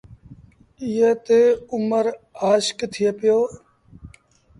ايئي تي اُمر آشڪ ٿئي پيو۔